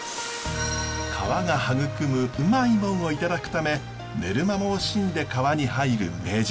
川が育むウマイもんをいただくため寝る間も惜しんで川に入る名人。